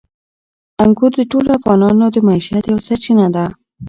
انګور د ټولو افغانانو د معیشت یوه سرچینه ده.